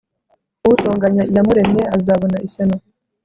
Utonganya Iyamuremye azabona ishyano.